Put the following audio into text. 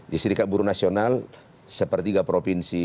di serikat buruh nasional sepertiga provinsi